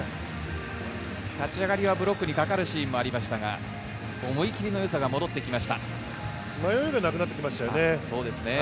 立ち上がりはブロックにかかるシーンもありましたが、思い切りの迷いがなくなってきましたよね。